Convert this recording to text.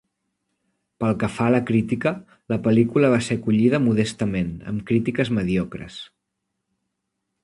Pel que fa a la crítica, la pel·lícula va ser acollida modestament, amb crítiques mediocres.